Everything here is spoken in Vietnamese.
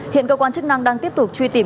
hiện cơ quan chức năng đang tiếp tục truy tìm